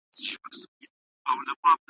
پرون د چا وه، نن د چا، سبا د چا په نصیب؟